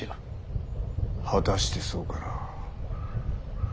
果たしてそうかな。